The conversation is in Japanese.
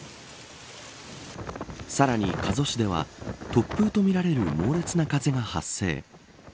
さらに、加須市では突風とみられる猛烈な風が発生。